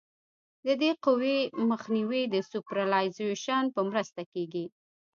د دې قوې مخنیوی د سوپرایلیویشن په مرسته کیږي